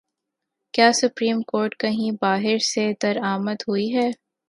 کیا supreme court کہیں باہر سے درآمد ہوئی ہے؟